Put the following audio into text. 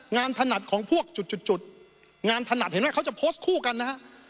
งานถนัดเห็นมั้ยเค้าจะโพสต์คู่กันนะฮะ